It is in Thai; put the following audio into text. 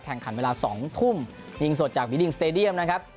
แข่งขันเวลา๒ทุ่มยิงสดจากบีดิงสเตดียมนะครับ